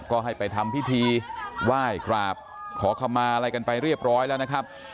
ก็ให้ไปทำพิธีไหว้กราบขอขมาอะไรกันไปเรียบร้อยแล้วนะครับ